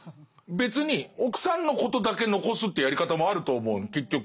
別に奥さんのことだけ残すっていうやり方もあると思うの結局。